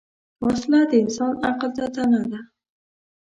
وسله د انسان عقل ته طعنه ده